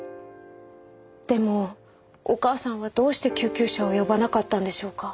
でもお母さんはどうして救急車を呼ばなかったんでしょうか？